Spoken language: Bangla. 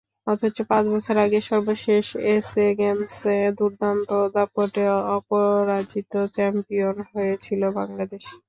অথচ পাঁচ বছর আগে সর্বশেষ এসএ গেমসে দুর্দান্ত দাপটে অপরাজিত চ্যাম্পিয়ন হয়েছিল বাংলাদেশ।